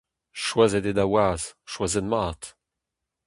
Choazet eo da waz, choazet mat.